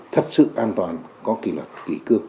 thật sự an toàn có kỷ lực kỷ cư